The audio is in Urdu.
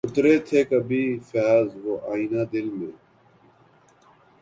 اترے تھے کبھی فیضؔ وہ آئینۂ دل میں